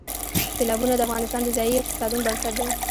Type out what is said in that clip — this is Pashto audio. سیلابونه د افغانستان د ځایي اقتصادونو بنسټ دی.